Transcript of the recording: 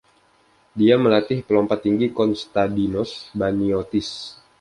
Dia melatih pelompat tinggi Konstadinos Baniotis.